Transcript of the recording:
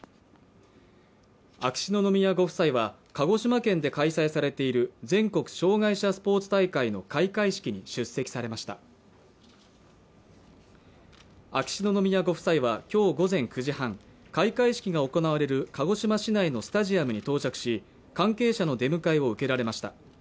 秋篠宮ご夫妻は鹿児島県で開催される全国障害者スポーツ大会の開会式に出席されました秋篠宮ご夫妻はきょう午前９時半開会式が行われる鹿児島市内のスタジアムに到着し関係者の出迎えを受けられました